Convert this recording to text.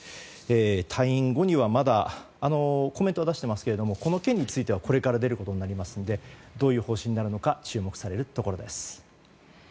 退院後にはまだコメントは出していますがこの件についてはこれから出ることになりますのでどのようになるか注目されます。